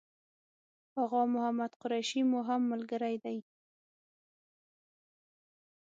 آغا محمد قریشي مو هم ملګری دی.